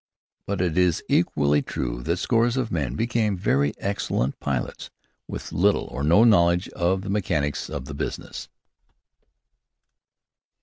But it is equally true that scores of men become very excellent pilots with little or no knowledge of the mechanics of the business.